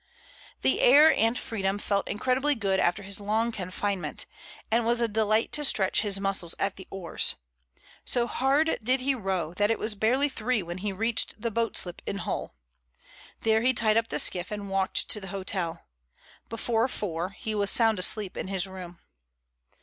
The air and freedom felt incredibly good after his long confinement, and it was a delight to stretch his muscles at the oars. So hard did he row that it was barely three when he reached the boat slip in Hull. There he tied up the skiff and walked to the hotel. Before four he was sound asleep in his room.